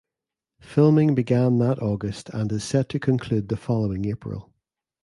Filming began that August and is set to conclude the following April.